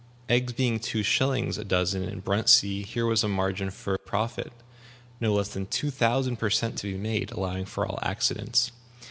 Eggs being two shillings a dozen in Bruntsea, here was a margin for profit no less than two thousand per cent, to be made, allowing for all accidents.